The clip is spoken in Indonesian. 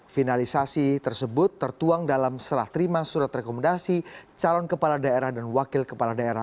finalisasi tersebut tertuang dalam serah terima surat rekomendasi calon kepala daerah dan wakil kepala daerah